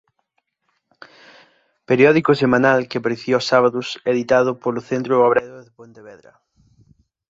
Periódico semanal que aparecía os sábados editado polo Centro Obrero de Pontevedra.